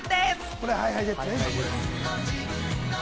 これＨｉＨｉＪｅｔｓね。